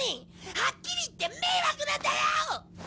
はっきり言って迷惑なんだよ！